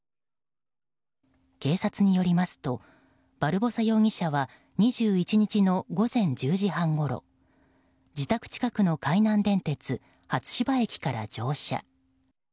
警察によりますとバルボサ容疑者は２１日の午前１０時半ごろ自宅近くの海南電鉄初芝駅から乗車。